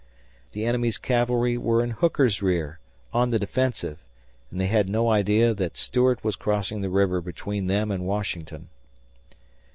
The enemy's cavalry were in Hooker's rear, on the defensive, and they had no idea that Stuart was crossing the river between them and Washington.